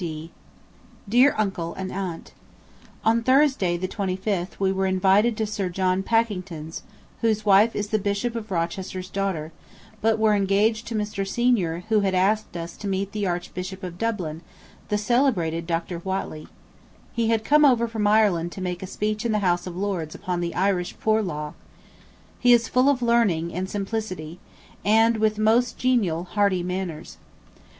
P. D._ DEAR UNCLE AND AUNT: On Thursday [the 25th] we were invited to Sir John Pakington's, whose wife is the Bishop of Rochester's daughter, but were engaged to Mr. Senior, who had asked us to meet the Archbishop of Dublin, the celebrated Dr. Whately. He had come over from Ireland to make a speech in the House of Lords upon the Irish Poor Law. He is full of learning [and] simplicity, and with most genial hearty manners.